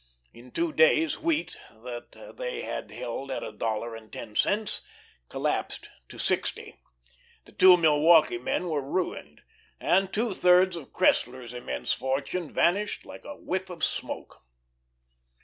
In two days wheat that they had held at a dollar and ten cents collapsed to sixty. The two Milwaukee men were ruined, and two thirds of Cressler's immense fortune vanished like a whiff of smoke.